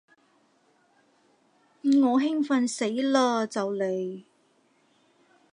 我興奮死嘞就嚟